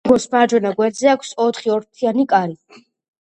ვაგონს მარჯვენა გვერდზე აქვს ოთხი ორფრთიანი კარი.